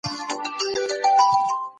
حکومت به د بحرانونو د مخنيوي هڅه کوي.